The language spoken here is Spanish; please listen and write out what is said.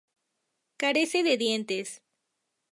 Carece de dientes.